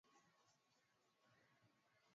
kupitia mitambo ya Sauti ya Amerika mjini Washington